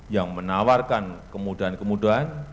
yang menawarkan kemudahan kemudahan